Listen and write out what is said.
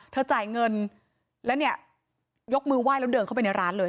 จ่ายเงินแล้วเนี่ยยกมือไหว้แล้วเดินเข้าไปในร้านเลย